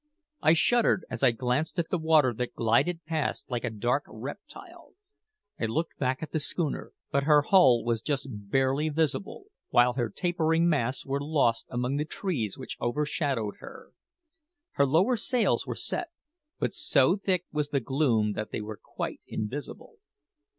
I shuddered as I glanced at the water that glided past like a dark reptile. I looked back at the schooner; but her hull was just barely visible, while her tapering masts were lost among the trees which overshadowed her. Her lower sails were set, but so thick was the gloom that they were quite invisible.